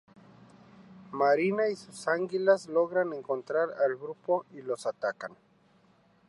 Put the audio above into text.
Marina y sus anguilas logran encontrar al grupo y los atacan.